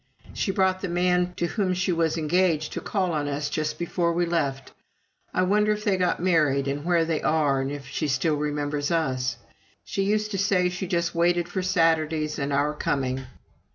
She brought the man to whom she was engaged to call on us just before we left. I wonder if they got married, and where they are, and if she still remembers us. She used to say she just waited for Saturdays and our coming.